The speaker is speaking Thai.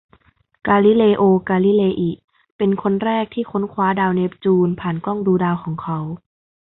กาลิเลโอ กาลิเลอิ เป็นคนแรกที่ค้นคว้าดาวเนปจูนผ่านกล้างดูดาวของเขา